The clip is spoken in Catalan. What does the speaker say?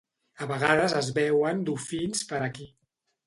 A vegades es veuen dofins per aquí.